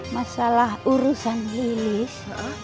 masalah urusan lilis